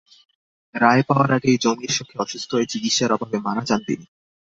রায় পাওয়ার আগেই জমির শোকে অসুস্থ হয়ে চিকিৎসার অভাবে মারা যান তিনি।